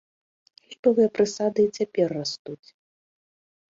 Ліпавыя прысады і цяпер растуць.